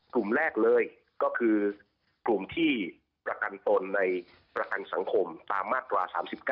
กลุ่มแรกเลยก็คือกลุ่มที่ประกันตนในประกันสังคมตามมาตรา๓๙